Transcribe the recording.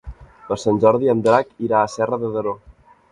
Per Sant Jordi en Drac irà a Serra de Daró.